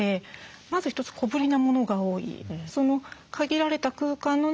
まず一つ小ぶりなものが多い。